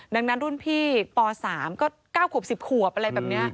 ดังนั้นรุ่นพี่ป๓ก็๙ขวบ๑๐ขวบอะไรแบบนี้